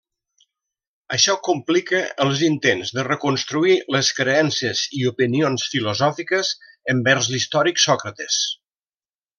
Això complica els intents de reconstruir les creences i opinions filosòfiques envers l'històric Sòcrates.